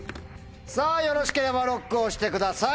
さぁよろしければＬＯＣＫを押してください。